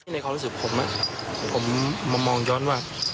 ในความรู้สึกผมผมมองย้อนว่า